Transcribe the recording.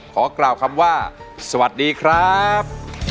ขอกล่าวคำว่าสวัสดีครับ